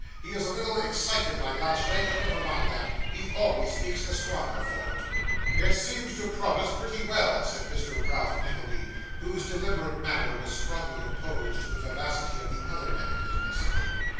He is a little excited by last night, but never mind that; he always speaks the stronger for it.' 'It seems to promise pretty well,' said Mr. Ralph Nickleby, whose deliberate manner was strongly opposed to the vivacity of the other man of business.